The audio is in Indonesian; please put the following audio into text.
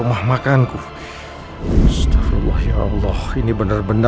untuk menemani kunci pekerja di jalan jalan sumbawa